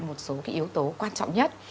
một số cái yếu tố quan trọng nhất